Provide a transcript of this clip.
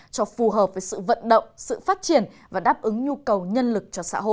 cho phù hợp với sự vận động sự phát triển và đáp ứng nhu cầu nhân lực